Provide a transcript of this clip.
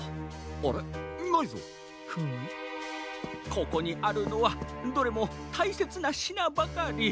ここにあるのはどれもたいせつなしなばかり。